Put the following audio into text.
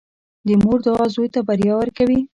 • د مور دعا زوی ته بریا ورکوي.